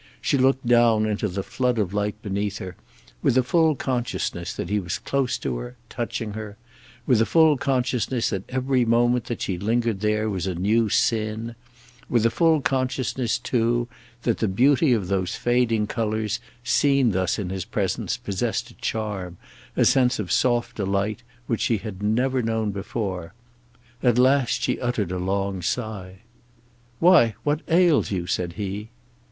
She looked down into the flood of light beneath her, with a full consciousness that he was close to her, touching her; with a full consciousness that every moment that she lingered there was a new sin; with a full consciousness, too, that the beauty of those fading colours seen thus in his presence possessed a charm, a sense of soft delight, which she had never known before. At last she uttered a long sigh. "Why, what ails you?" said he.